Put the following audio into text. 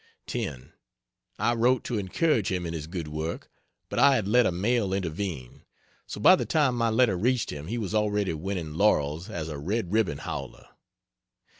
10. I wrote to encourage him in his good work, but I had let a mail intervene; so by the time my letter reached him he was already winning laurels as a Red Ribbon Howler.